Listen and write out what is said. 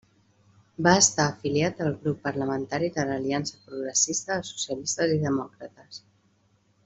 Va estar afiliat al grup parlamentari de l'Aliança Progressista de Socialistes i Demòcrates.